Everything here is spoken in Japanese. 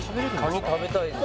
カニ食べたいです